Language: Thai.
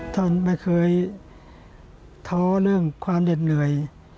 ท่านไม่เคยท้อเรื่องความเหน็ดเหนื่อย